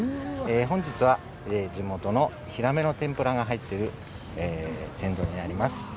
本日は地元のヒラメの天ぷらが入っている天丼になります。